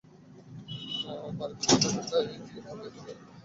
বাড়িতে তারা গালি দিয়ে প্রতিদিন খাবার দিতো।